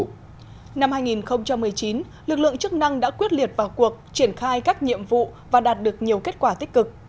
năm hai nghìn một mươi chín lực lượng chức năng đã quyết liệt vào cuộc triển khai các nhiệm vụ và đạt được nhiều kết quả tích cực